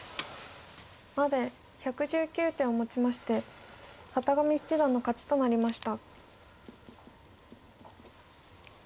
まで１１９手をもちまして片上七段の勝ちとなりました。